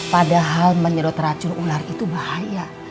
padahal menyedot racun ular itu bahaya